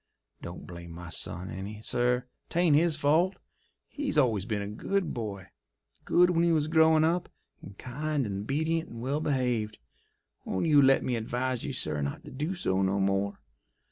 Don't blame my son any, sir—'tain't his fault. He's always been a good boy—good when he was growin' up, and kind and 'bedient and well behaved. Won't you let me advise you, sir, not to do so no more?